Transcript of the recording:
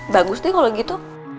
bagus deh kalau gitu